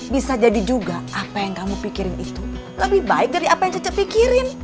bisa jadi juga apa yang kamu pikirin itu lebih baik dari apa yang cecep pikirin